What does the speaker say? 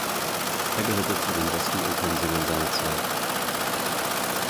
Er gehörte zu den besten Opernsängern seiner Zeit.